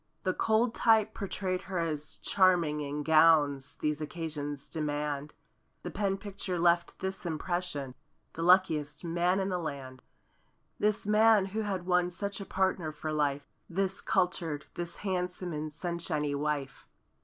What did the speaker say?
The cold type portrayed her as charming In gowns these occasions demand. The pen picture left this impression; "The luckiest man in the land"— This man who had won such a partner for life; This cultured—this handsome and sunshiny wife.